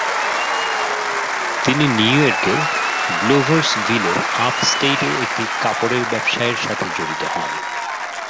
তিনি নিউ ইয়র্কের গ্লোভারসভিলের আপস্টেটে একটি কাপড়ের ব্যবসায়ের সাথে জড়িত হন।